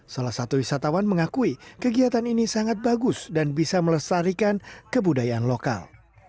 salah satu wisatawan mengakui kegiatan ini sangat bagus dan bisa melestarikan kebudayaan lokal